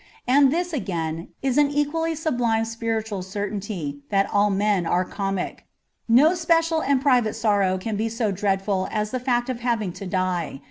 And this, again, is an equally sublime spiritual certainty, that all men are comic. No special and private sorrow can be so dreadful as the fact of having to die.